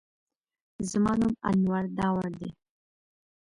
زما نوم انور داوړ دی